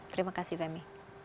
terima kasih femi